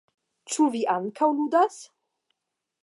Ĉu vi ankaŭ ludas?